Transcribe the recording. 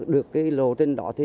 được cái lô trên đó